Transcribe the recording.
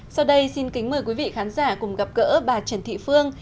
sau đây xin kính mời quý vị khán giả cùng gặp gỡ bà trần thị phương